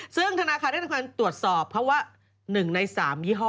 ซึ่งธนาคารได้ทำการตรวจสอบเพราะว่า๑ใน๓ยี่ห้อ